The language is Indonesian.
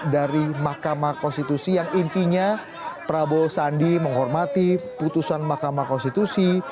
dari mahkamah konstitusi yang intinya prabowo sandi menghormati putusan mahkamah konstitusi